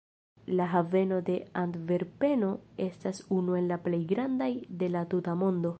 La haveno de Antverpeno estas unu el la plej grandaj de la tuta mondo.